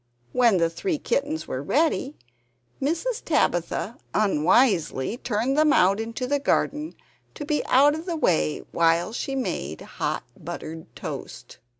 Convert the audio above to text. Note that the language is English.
When the three kittens were ready, Mrs. Tabitha unwisely turned them out into the garden, to be out of the way while she made hot buttered toast.